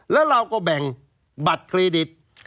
แล้วเราก็แบ่งบัตรเครดิต